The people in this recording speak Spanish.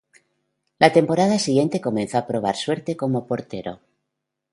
La temporada siguiente comenzó a probar suerte como portero.